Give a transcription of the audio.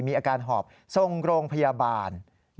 อาการหอบทรงโรงพยาบาล